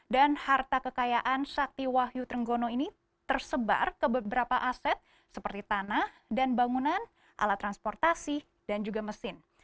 dan harta kekayaan sakti wahyu trenggono ini tersebar ke beberapa aset seperti tanah dan bangunan alat transportasi dan juga mesin